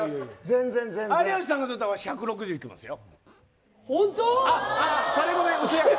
有吉さんがとったらわし、１６０いきますよ。